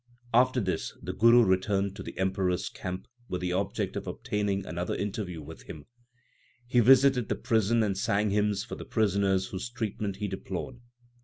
After this the Guru returned to the Emperor s camp with the object of obtaining another interview with him. He visited the prison and sang hymns for the prisoners whose treatment he deplored.